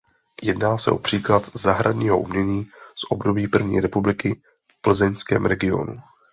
Jedná se o příklad zahradního umění z období První republiky v plzeňském regionu.